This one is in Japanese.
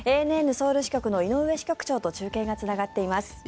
ＡＮＮソウル支局の井上支局長と中継がつながっています。